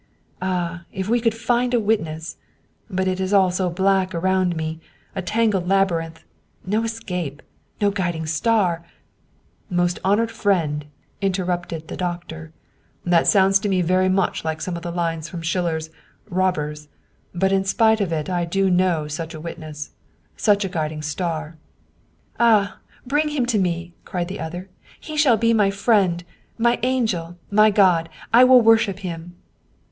Ah! if we could find a witness but it is all so black around me a tangled labyrinth no escape no guiding star "" Most honored friend," interrupted the doctor, " that sounds to me very much like some lines from Schiller's ' Robbers/ But in spite of it I do know such a witness, such a guiding star." " Ah ! bring him to me !" cried the other. " He shall be my friend, my angel, my God I will worship him